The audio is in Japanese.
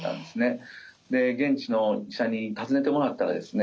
現地の医者に尋ねてもらったらですね